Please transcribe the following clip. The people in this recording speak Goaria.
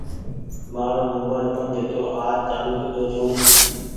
مآرو نمبر بند هيتو آج چآلو ڪۮو ڇوٚنٚ